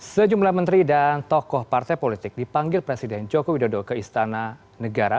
sejumlah menteri dan tokoh partai politik dipanggil presiden joko widodo ke istana negara